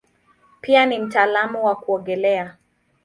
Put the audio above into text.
Pia ni mtaalamu wa kuogelea.